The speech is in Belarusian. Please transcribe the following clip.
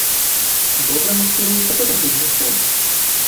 Добра маскіруюцца пад агульны фон.